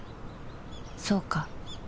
そうか